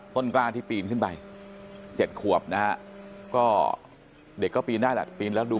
ต้นกล้าที่ปีนขึ้นไป๗ขวบนะฮะก็เด็กก็ปีนได้แหละปีนแล้วดู